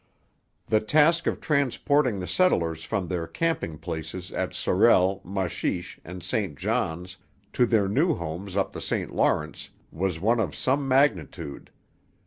The task of transporting the settlers from their camping places at Sorel, Machiche, and St Johns to their new homes up the St Lawrence was one of some magnitude.